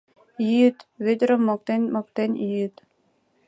Йӱыт, Вӧдырым моктен-моктен йӱыт.